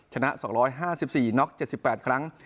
ชนะสองร้อยห้าสิบสี่น็อกเจ็ดสิบแปดครั้ง